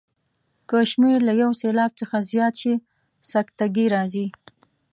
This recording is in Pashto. که شمېر له یو سېلاب څخه زیات شي سکته ګي راځي.